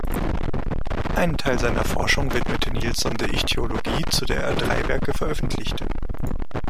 Einen Teil seiner Forschung widmete Nilsson der Ichthyologie, zu der er drei Werke veröffentlichte.